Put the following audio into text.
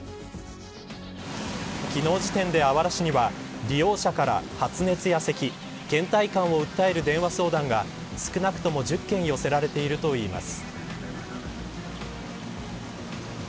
昨日時点で、あわら市には利用者から発熱やせき倦怠感を訴える電話相談が少なくとも１０件寄せられているといいます。